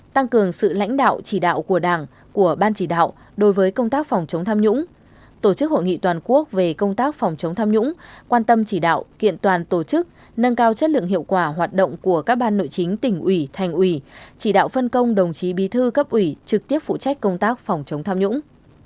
tăng cường sự lãnh đạo chỉ đạo của đảng của ban chỉ đạo đối với công tác phòng chống tham nhũng tổ chức hội nghị toàn quốc về công tác phòng chống tham nhũng quan tâm chỉ đạo kiện toàn tổ chức nâng cao chất lượng hiệu quả hoạt động của các ban nội chính tỉnh ủy thành ủy chỉ đạo phân công đồng chí bí thư cấp ủy trực tiếp phụ trách công tác phòng chống tham nhũng